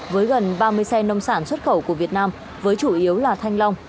với gần ba mươi xe nông sản xuất khẩu của việt nam với chủ yếu là thanh long